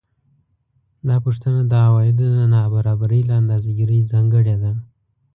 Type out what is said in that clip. دا پوښتنه د عوایدو د نابرابرۍ له اندازه ګیرۍ ځانګړې ده